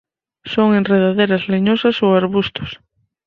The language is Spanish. Son enredaderas leñosas o arbustos.